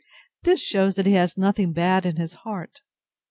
—This shews that he has nothing bad in his heart.